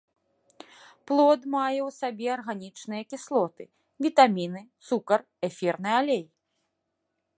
Плод мае ў сабе арганічныя кіслоты, вітаміны, цукар, эфірны алей.